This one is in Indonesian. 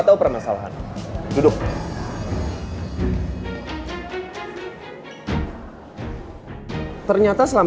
kita harus berada di tempat yang sehat